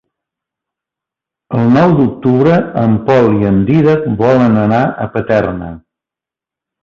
El nou d'octubre en Pol i en Dídac volen anar a Paterna.